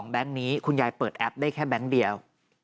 แก๊งนี้คุณยายเปิดแอปได้แค่แบงค์เดียว